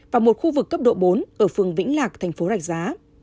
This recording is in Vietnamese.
và một khu vực cấp độ bốn ở phường vĩnh lạc thành phố rạch giá